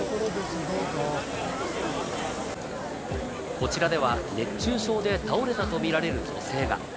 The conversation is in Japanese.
こちらでは熱中症で倒れたとみられる女性が。